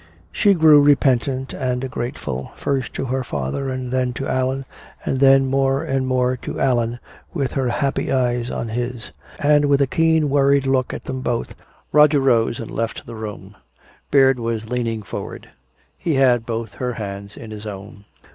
She grew repentant and grateful, first to her father and then to Allan, and then more and more to Allan, with her happy eyes on his. And with a keen worried look at them both, Roger rose and left the room. Baird was leaning forward. He had both her hands in his own.